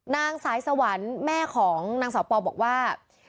นางสายสวรรค์แม่ของนางสาวปอบอกว่า